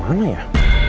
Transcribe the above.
ya udah sih